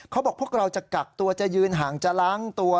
พวกเราจะกักตัวจะยืนห่างจะล้างตัว